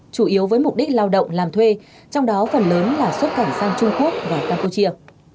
chủ yếu với mục đích lao động làm thuê trong đó phần lớn là xuất cảnh sang trung quốc và campuchia